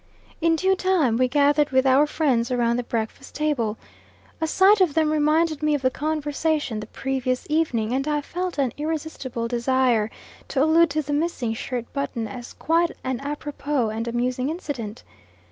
In due time we gathered with our friends around the breakfast table. A sight of them reminded me of the conversation the previous evening, and I felt an irresistible desire to allude to the missing shirt button as quite an apropos and amusing incident.